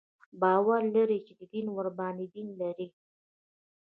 باور لري چې دین ورباندې دین لري.